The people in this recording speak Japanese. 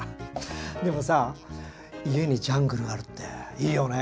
でもさ家にジャングルあるっていいよね。